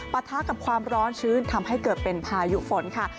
ปะทะกับความร้อนชื้นทำให้เกิดเป็นพายุฝนค่ะ